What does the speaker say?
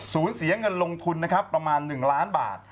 สูญเสียเงินจำนวนลงทุนประมาณ๑ล้านบาท